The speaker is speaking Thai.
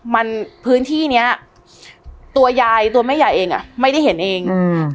มันพื้นที่เนี้ยตัวยายตัวแม่ยายเองอ่ะไม่ได้เห็นเองอืม